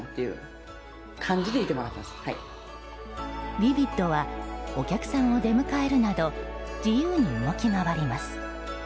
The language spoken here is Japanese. ヴィヴィッドはお客さんを出迎えるなど自由に動き回ります。